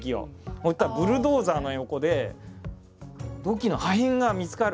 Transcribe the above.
そしたらブルドーザーの横で土器の破片が見つかる。